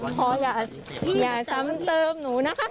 ขออย่าซ้ำเติมหนูนะคะ